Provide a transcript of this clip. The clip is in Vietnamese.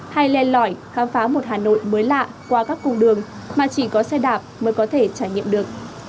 hay lên lỏi khám phá một hà nội mới lạ qua các cung đường mà chỉ có xe đạp mới có thể trải nghiệm được